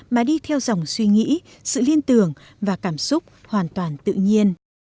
mà đi theo dòng suy nghĩ sự liên tưởng và cảm xúc hoàn toàn tự nhiên